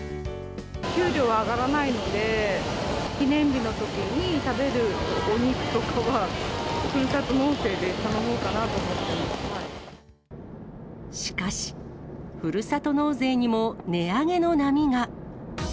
給料上がらないので、記念日のときに食べるお肉とかは、ふるさと納税で頼もうかなと思っしかし、ふるさと納税にも値上げの波が。